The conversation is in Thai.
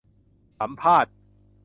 สัมภาษณ์